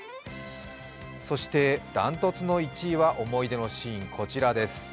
そして断トツの１位は思い出のシーン、こちらです。